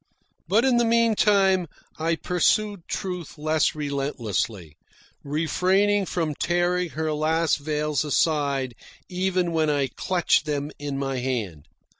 But in the meantime, I pursued Truth less relentlessly, refraining from tearing her last veils aside even when I clutched them in my hand.